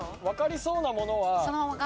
分かりそうなものは。